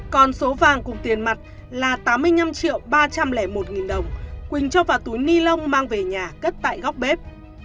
còn số vàng cùng tiền mặt là tám mươi năm triệu ba trăm linh một nghìn đồng quỳnh cho vào túi ni lông mang về nhà cất tại góc bếp